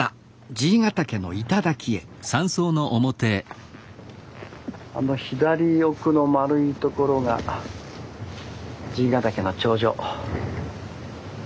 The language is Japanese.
爺ヶ岳の頂へあの左奥の丸い所が爺ヶ岳の頂上。